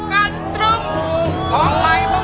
คุณสรบงค์คุณภาพร้อมได้ให้ล้าง